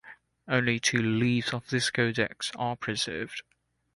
Only two leaves of this codex are preserved.